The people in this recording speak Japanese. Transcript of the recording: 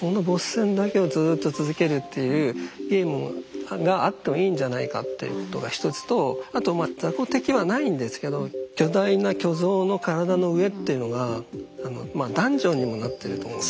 戦だけをずっと続けるっていうゲームがあってもいいんじゃないかってことが一つとあとまあザコ敵はないんですけど巨大な巨像の体の上っていうのがダンジョンにもなってると思う。